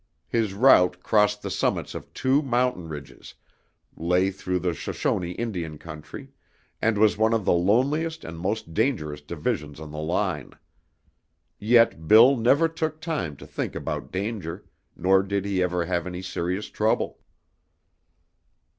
His route crossed the summits of two mountain ridges, lay through the Shoshone Indian country, and was one of the loneliest and most dangerous divisions on the line. Yet "Bill" never took time to think about danger, nor did he ever have any serious trouble.